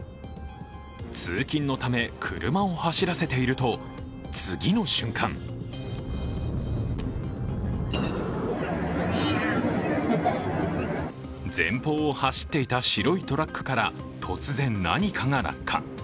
通勤のため車を走らせていると次の瞬間前方を走っていた白いトラックから突然何かが落下。